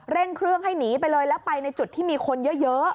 เร่งเครื่องให้หนีไปเลยแล้วไปในจุดที่มีคนเยอะ